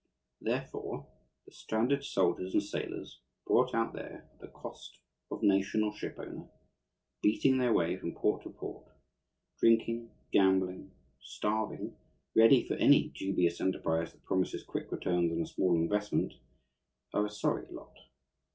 Therefore the stranded soldiers and sailors, brought out there at the cost of nation or ship owner, beating their way from port to port, drinking, gambling, starving, ready for any dubious enterprise that promises quick returns on a small investment, are a sorry lot.